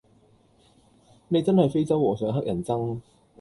你真係非洲和尚乞人憎